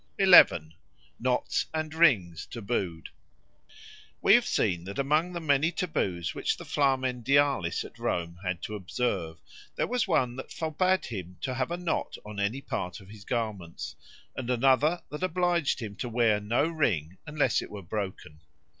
11. Knots and Rings tabooed WE have seen that among the many taboos which the Flamen Dialis at Rome had to observe, there was one that forbade him to have a knot on any part of his garments, and another that obliged him to wear no ring unless it were broken.